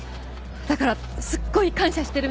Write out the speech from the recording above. だからすっごい感謝してるんです。